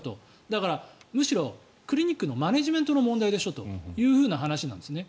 だから、むしろクリニックのマネジメントの問題でしょという話なんですね。